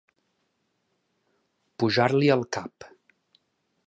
Pujar-li al cap.